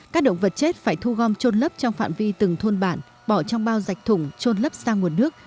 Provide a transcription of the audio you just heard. các động vật chết phải thu gom trôn lấp trong phạm vi từng thôn bản bỏ trong bao dạch thủng trôn lấp sang nguồn nước